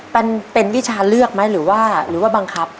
มันเป็นวิชาเลือกไหมหรือว่าบังคับ